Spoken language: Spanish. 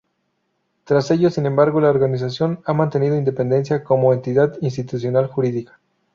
Tras ello, sin embargo, la organización ha mantenido independencia como entidad institucional y jurídica.